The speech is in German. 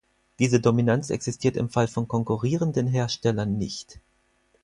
Diese Dominanz existiert im Fall von konkurrierenden Herstellern nicht.